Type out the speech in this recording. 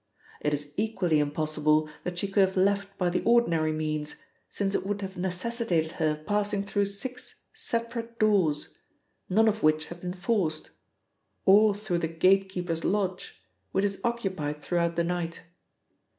It is equally impossible that she could have left by the ordinary means, since it would have necessitated her passing through six separate doors, none of which had been forced, or through the gatekeeper's lodge, which is occupied throughout the night.